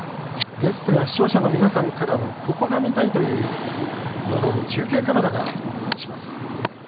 ゲストや視聴者の皆さんからのここが見たいという要望に中継カメラがお応えします。